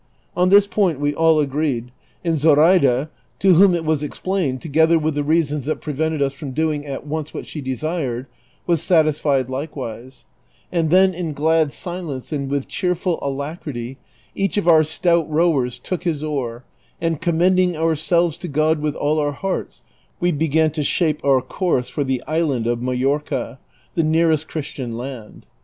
On this point we all agreed ; and Zoraida, to 352 DON QUIXOTE. whom it was explained, together with the reasons that prevented us from doing at once wliat she desired, was satisfied likewise; and then in glad silence and with cheerful alacrity each of our stout rowers took his oar, and commending ourselves to God with all our hearts, we began to shape our course for the island of Majorca, the nearest Christian land.